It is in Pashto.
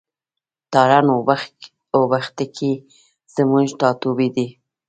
تارڼ اوبښتکۍ زموږ ټاټوبی دی.